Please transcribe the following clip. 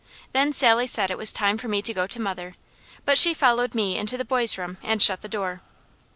Then Sally said it was time for me to go to mother, but she followed me into the boys' room and shut the door.